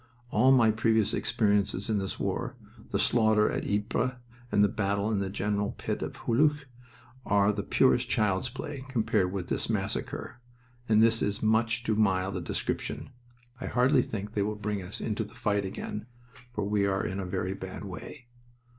All my previous experiences in this war the slaughter at Ypres and the battle in the gravel pit at Hulluch are the purest child's play compared with this massacre, and that is much too mild a description. I hardly think they will bring us into the fight again, for we are in a very bad way."